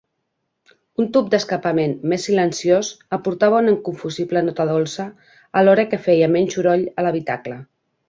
Un tub d'escapament més silenciós aportava una inconfusible nota dolça alhora que feia menys soroll a l'habitacle.